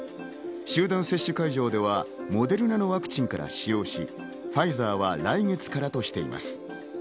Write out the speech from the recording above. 集団接種会場ではモデルナのワクチンから使用し、ファイザーは来月からとしています。